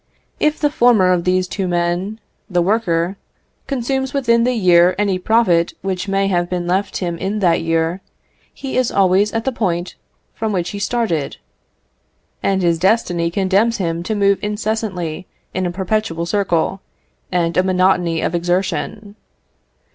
If the former of these two men, the worker, consumes within the year any profit which may have been left him in that year, he is always at the point from which he started, and his destiny condemns him to move incessantly in a perpetual circle, and a monotony of exertion.